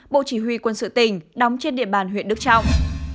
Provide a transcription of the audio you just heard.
bộ chỉ huy quân sự tỉnh đóng trên địa bàn huyện đức trọng